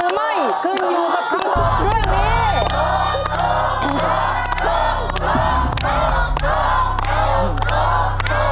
นึงแสนบาทได้หรือไม่